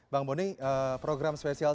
bang boni program spesial